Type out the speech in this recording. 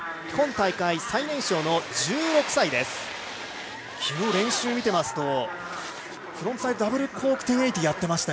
今大会、最年少の１６歳です。